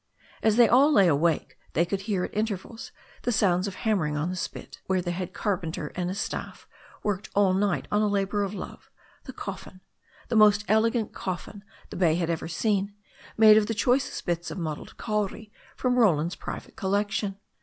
As they all lay awake they could hear, at intervals, the sounds of hammering on the spit, where the head carpenter and his staff worked all night on a labour of love, the coffin, the most elegant coffin the bay had ever seen, made of the choicest bits of mottled kauri from Roland's private collection.